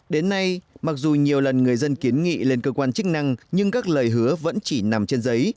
đến nay mặc dù nhiều lần người dân kiến nghị lên cơ quan chức năng nhưng các lời hứa vẫn chỉ nằm trên giấy